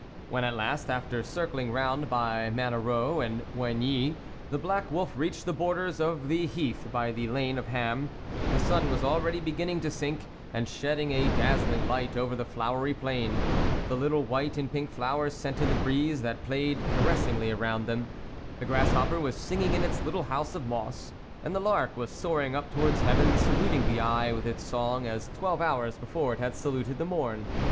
When, at last, after circling round by Manereux and Oigny, the black wolf reached the borders of the heath by the lane of Ham, the sun was already begin ing to sink, and shedding a dazzling light over the flowery plain ; the little white and pink flowers scented the breeze that played caressingly around them ; the grasshopper was singing in its little house of moss, and the lark was soaring up to wards heaven, saluting the eve with its song, as twelve hours before it had saluted the morn.